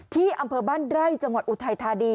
ที่อำเภอบ้านไร่จังหวัดอุทัยธานี